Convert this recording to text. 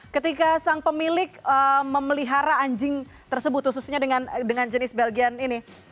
ketika sang pemilik memelihara anjing tersebut khususnya dengan jenis belgian ini